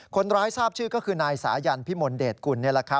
ทราบชื่อก็คือนายสายันพิมลเดชกุล